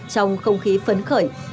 trong không khí phấn khởi